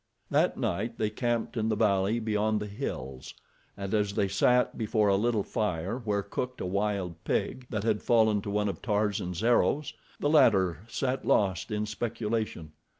That night they camped in the valley beyond the hills, and as they sat before a little fire where cooked a wild pig that had fallen to one of Tarzan's arrows, the latter sat lost in speculation.